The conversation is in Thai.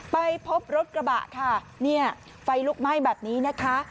ไปพบรถกระบะค่ะเนี่ยไฟลุกไหม้แบบนี้นะคะ